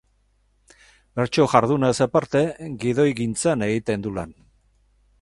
Bertso jardunaz aparte, gidoigintzan egiten du lan.